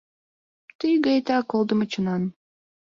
Тый гаетак колдымо чонан